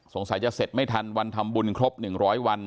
สงสัยจะเสร็จไม่ทันวันทำบุญครบ๑๐๐วัน